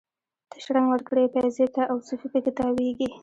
ته شرنګ ورکړي پایزیب ته، او صوفي په کې تاویږي